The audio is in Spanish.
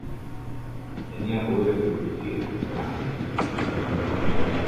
Tenía poderes de brujería, magia y medicina.